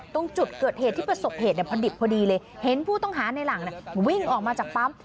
ตรงจุดเกิดเหตุที่ประสบเหตุพอดิบพอดีเลยเห็นผู้ต้องหาในหลังวิ่งออกมาจากปั๊ม